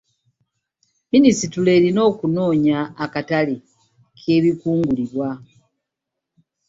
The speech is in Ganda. Minisitule erina okunoonya akatale k'ebikungulibwa.